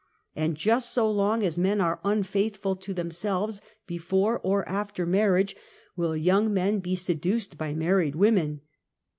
And just so long as men are unfaithful to them selves before or after marriage, will young men be j seduced by married women.